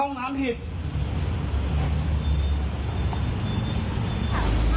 มันเก้พัน